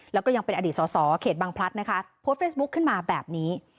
แล้วก็ยังเป็นอ่านอดีตสอเขตบางพลัทฯพบสเฟสบุกขึ้นมาแบบนี้